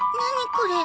これ。